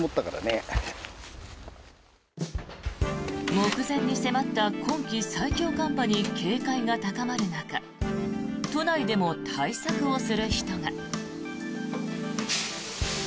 目前に迫った今季最強寒波に警戒が高まる中都内でも対策をする人が。